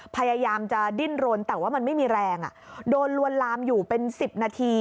พยายามจะดิ้นรนแต่ว่ามันไม่มีแรงโดนลวนลามอยู่เป็น๑๐นาที